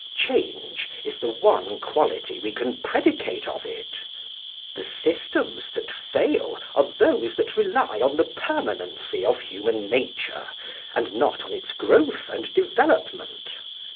Change is the one quality we can predicate of it. The systems that fail are those that rely on the permanency of human nature, and not on its growth and development.